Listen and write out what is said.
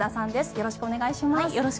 よろしくお願いします。